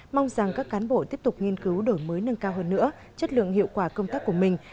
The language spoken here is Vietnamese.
mong rằng các cán bộ tiếp tục nghiên cứu đổi mới nâng cao hơn nữa chất lượng hiệu quả công tác của mình